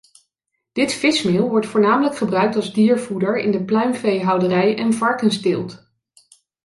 Dit vismeel wordt voornamelijk gebruikt als diervoeder in de pluimveehouderij en varkensteelt.